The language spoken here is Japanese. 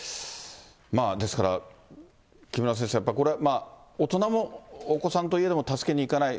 ですから、木村先生、やっぱりこれ、大人もお子さんといえども、助けに行かない。